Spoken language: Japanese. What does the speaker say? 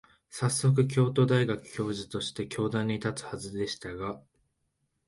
さっそく、京都大学教授として教壇に立つはずでしたが、